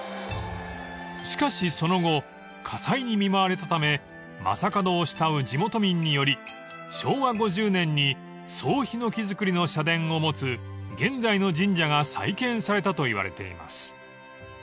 ［しかしその後火災に見舞われたため将門を慕う地元民により昭和５０年に総ひのき造りの社殿を持つ現在の神社が再建されたといわれています］